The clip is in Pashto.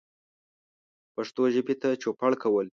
پښتو ژبې ته چوپړ کول